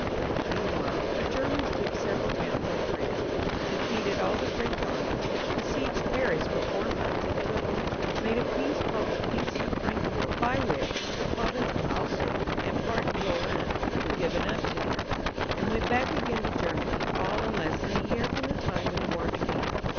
Meanwhile the Germans took several towns in France, defeated aU the French armies, besieged Paris for four months and took it, made a peace called the Peace of Frankfort, by which the province of Alsace and part of Lorraine were given up to them, and went back again to Germany, all in less than a year horn the time when the CONCLUSION. 461 war began.